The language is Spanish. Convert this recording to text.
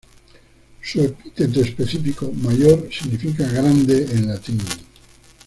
Su epíteto específico "major" significa "grande" en latín.